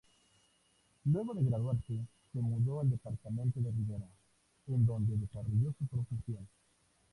Luego de graduarse se mudó al departamento de Rivera, en donde desarrolló su profesión.